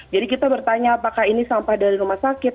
jadi kita bertanya apakah ini sampah dari rumah sakit